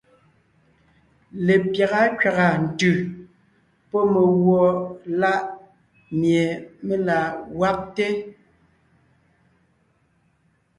Lepyága kẅàga ntʉ̀ pɔ́ megùɔ láʼ mie mé la gwagte.